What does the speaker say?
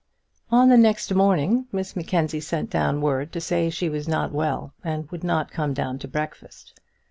On the next morning Miss Mackenzie sent down word to say she was not well, and would not come down to breakfast.